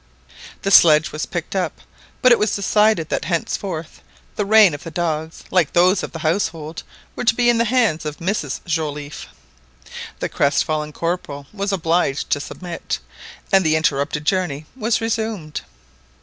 The sledge was picked up, but it was decided that henceforth the reins of the dogs, like those of the household, were to be in the hands of Mrs Joliffe. The crest fallen Corporal was obliged to submit, and the interrupted journey was resumed.